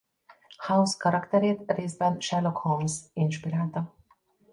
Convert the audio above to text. House karakterét részben Sherlock Holmes inspirálta.